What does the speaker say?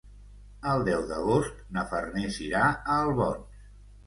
El deu d'agost na Farners irà a Albons.